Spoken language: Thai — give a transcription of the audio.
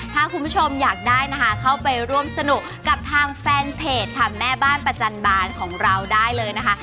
ถ้าคุณผู้ชมอยากได้นะคะเข้าไปร่วมสนุกกับทางแฟนเพจค่ะแม่บ้านประจันบานของเราได้เลยนะคะ